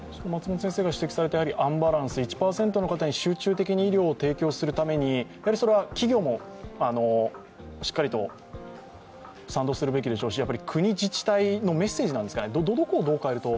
アンバランス、１％の方に集中的に医療を提供するために、それは企業もしっかりと賛同するべきでしょうし国、自治体のメッセージなんですかどこをどう変えると。